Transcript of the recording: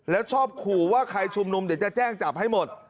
แล้วชอบขู่ว่าใครชุมนุมเดี๋ยวจะแจ้งจับให้หมด